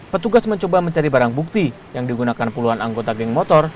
petugas mencoba mencari barang bukti yang digunakan puluhan anggota geng motor